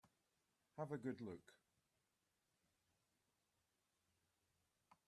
Have a good look.